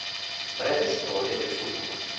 Breve storia del futuro".